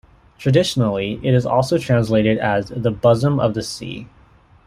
Traditionally, it is also translated as "the bosom of sea".